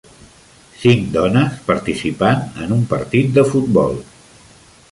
Cinc dones participant en un partit de futbol.